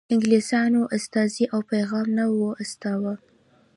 انګلیسیانو استازی او پیغام نه و استاوه.